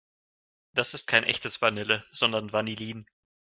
Das ist kein echtes Vanille, sondern Vanillin.